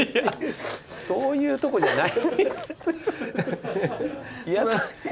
そういうとこじゃない。